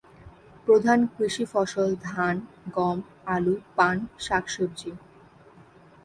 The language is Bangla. প্রধান কৃষি ফসল ধান, গম, আলু, পান, শাকসবজি।